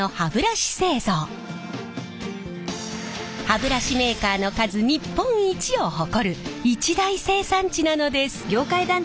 歯ブラシメーカーの数日本一を誇る一大生産地なのです。